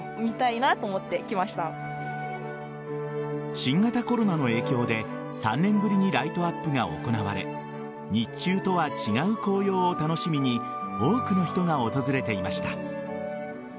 新型コロナの影響で３年ぶりにライトアップが行われ日中とは違う紅葉を楽しみに多くの人が訪れていました。